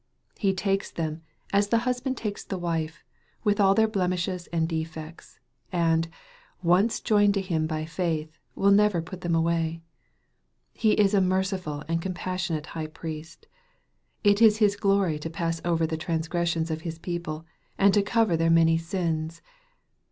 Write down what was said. He takes them, as the husband takes the wife, with all their blemishes and defects, and, once joined to Him by faith, will never put them away. He is a merciful and compassionate High priest. It is His glory to pass over the transgressions of His people, and to cover their many sins.